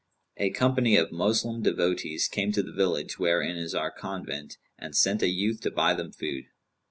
A company of Moslem devotees came to the village wherein is our convent, and sent a youth to buy them food.